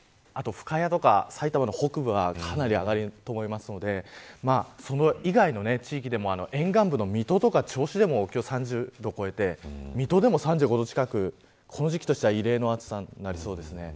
深谷とか埼玉の北部はかなり上がると思うのでそれ以外の地域でも沿岸部の水戸とか銚子でも今日は３０度を超えて水戸でも３５度近くこの時期としては異例な暑さになりそうです。